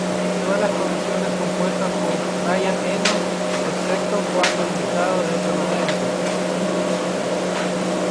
Todas las canciones compuestas por Brian Eno excepto cuando indicado de otra manera.